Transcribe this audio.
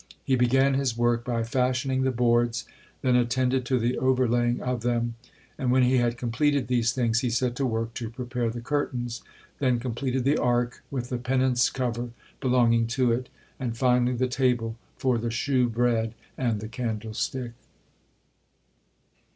He began his work by fashioning the boards, then attended to the overlaying of them, and when he had completed these things, he set to work to prepare the curtains, then completed the Ark with the penance cover belonging to it, and finally the table for the shewbread, and the candlestick.